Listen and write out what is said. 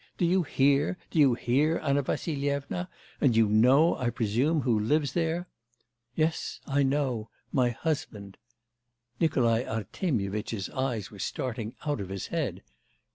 Do you hear, do you hear, Anna Vassilyevna? And you know, I presume, who lives there?' 'Yes, I know; my husband.' Nikolai Artemyevitch's eyes were starting out of his head.